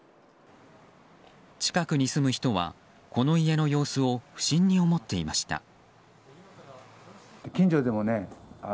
近くに住む人は、この家の様子を不審に思っていました。